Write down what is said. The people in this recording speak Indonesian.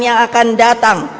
yang akan datang